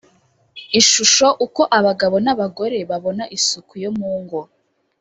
ishusho uko abagabo n abagore babona isuku yo mu ngo